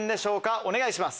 お願いします。